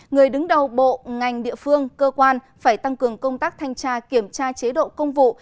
người đứng đầu bộ ngành địa phương cơ quan phải tăng cường công tác thanh tra kiểm tra chế độ công vụ